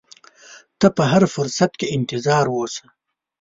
ته په هر فرصت کې انتظار اوسه.